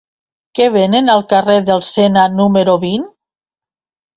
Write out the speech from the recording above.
Què venen al carrer del Sena número vint?